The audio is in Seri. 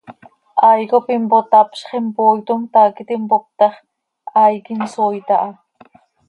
Hai cop impotapzx, impooitom, tahac iti mpoop ta x, hai quih insooit aha.